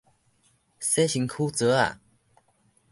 洗身軀槽仔